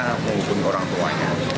menghubungi orang tuanya